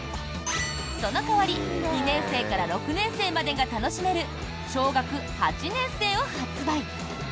その代わり２年生から６年生までが楽しめる「小学８年生」を発売。